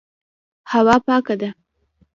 هوا پاکه ده.